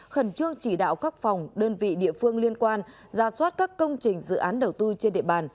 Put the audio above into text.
khẩn trương chỉ đạo các phòng đơn vị địa phương liên quan ra soát các công trình dự án đầu tư trên địa bàn